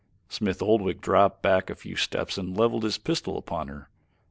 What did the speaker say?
Smith Oldwick dropped back a few steps and leveled his pistol upon her.